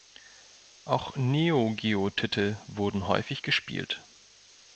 Auch Neo-Geo-Titel wurden häufig gespielt.